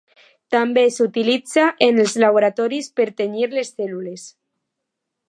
També s'utilitza en els laboratoris per tenyir les cèl·lules.